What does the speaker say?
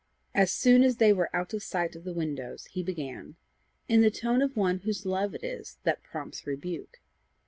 As soon as they were out of sight of the windows, he began in the tone of one whose love it is that prompts rebuke.